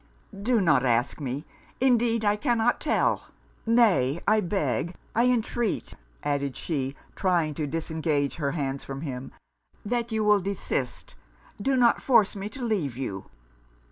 'Do not ask me indeed I cannot tell Nay I beg, I entreat,' added she, trying to disengage her hands from him, 'that you will desist do not force me to leave you.'